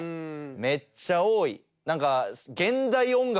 めっちゃ多い！何か。